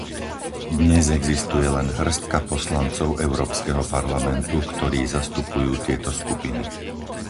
Dnes existuje len hŕstka poslancov Európskeho parlamentu, ktorí zastupujú tieto skupiny.